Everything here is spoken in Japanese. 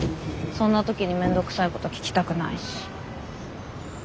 そんな時に面倒くさいこと聞きたくないし。